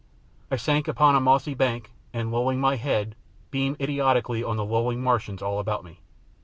I sank upon a mossy bank and, lolling my head, beamed idiotically on the lolling Martians all about me.